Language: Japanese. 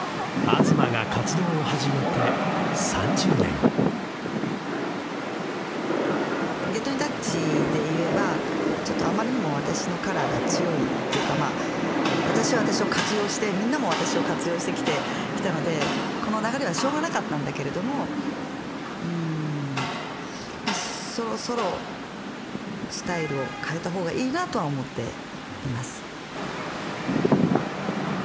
東が活動を始めて３０年Ｇｅｔｉｎｔｏｕｃｈで言えばちょっとあまりにも私のカラーが強いというか私は私を活用してみんなも私を活用してきたのでこの流れはしょうがなかったんだけれどもうーんそろそろスタイルを変えた方がいいなとは思っています